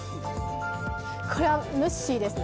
これはムッシーですね。